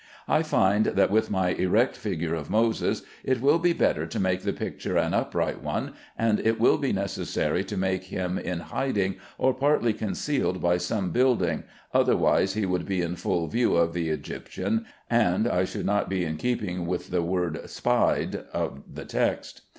I find that with my erect figure of Moses, it will be better to make the picture an upright one, and it will be necessary to make him in hiding, or partly concealed by some building, otherwise he would be in full view of the Egyptian, and I should not be in keeping with the word "spied" of the text.